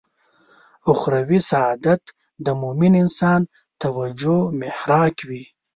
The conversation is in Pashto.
اخروي سعادت د مومن انسان توجه محراق وي.